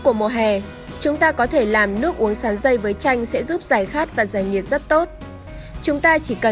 của mùa hè chúng ta có thể làm nước uống sáng dây với chanh sẽ giúp giải khát và giải nhiệt rất tốt